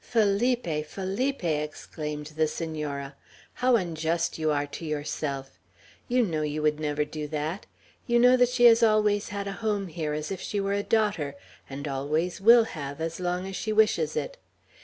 "Felipe! Felipe!" exclaimed the Senora, "how unjust you are to yourself! You know you would never do that! You know that she has always had a home here as if she were a daughter; and always will have, as long as she wishes it.